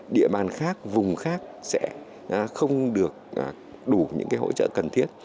địa bàn khác vùng khác sẽ không được đủ những hỗ trợ cần thiết